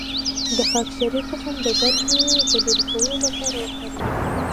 د خاکشیر تخم د ګرمۍ د لرې کولو لپاره وکاروئ